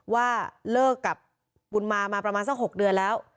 ว่าเลิกกับบุญมามาประมาณสัก๖เดือนแล้ว